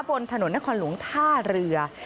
บนถนนนครหลวงท่าเรือ